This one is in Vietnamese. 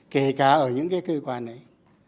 kể cả ở những cái cơ quan đấy